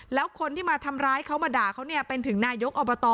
แล้วคนที่มาทำร้ายเขามาด่าเขาเนี่ยเป็นถึงนายกอบต